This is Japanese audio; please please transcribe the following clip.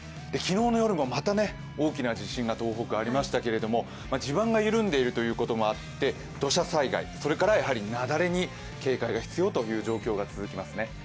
昨日の夜もまた、大きな地震が東北、ありましたけれども地盤が緩んでいるということもあって、土砂災害、それから雪崩に警戒が必要という状況が続きますね。